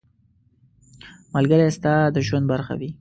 ملګری ستا د ژوند برخه وي.